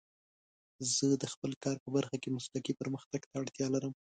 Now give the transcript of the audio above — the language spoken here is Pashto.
زه د خپل کار په برخه کې مسلکي پرمختګ ته اړتیا لرم.